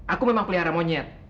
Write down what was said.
aku memang pelihara monyet